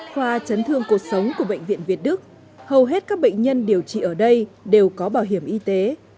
khoa chấn thương cuộc sống của bệnh viện việt đức hầu hết các bệnh nhân điều trị ở đây đều có bảo hiểm y tế